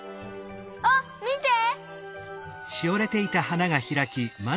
あっみて！